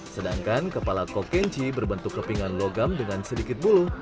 sedangkan kepala kok kenchi berbentuk kepingan logam dengan sedikit bulu